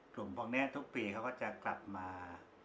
หลวงพ่อเนี่ยทุกปีเขาก็จะกลับมา